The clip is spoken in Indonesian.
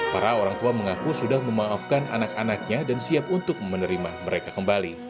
para orang tua mengaku sudah memaafkan anak anaknya dan siap untuk menerima mereka kembali